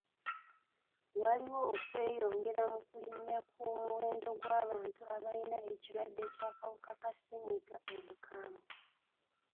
Waliwo okweyongera mu kulinnya kw'omuwendo gw'abantu abayina ekirwadde ky'akawuka ka ssennyiga omukambwe.